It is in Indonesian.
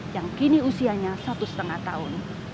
yang kini usianya satu lima tahun